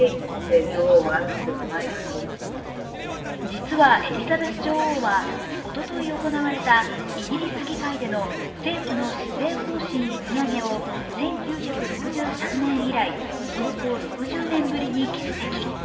実はエリザベス女王はおととい行われたイギリス議会での政府の施政方針読み上げを１９６３年以来およそ６０年ぶりに欠席。